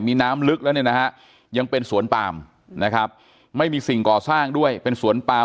มีน้ำลึกแล้วเนี่ยนะฮะยังเป็นสวนปามนะครับไม่มีสิ่งก่อสร้างด้วยเป็นสวนปาม